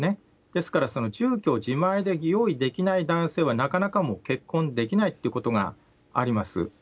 ですから、住居を自前で用意できない男性は、なかなか結婚できないということがあります。